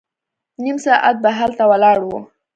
نيم ساعت به هلته ولاړ وو.